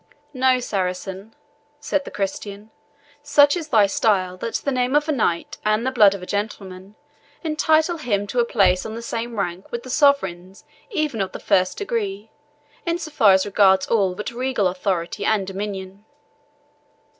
"Know, Saracen," said the Christian, "since such is thy style, that the name of a knight, and the blood of a gentleman, entitle him to place himself on the same rank with sovereigns even of the first degree, in so far as regards all but regal authority and dominion.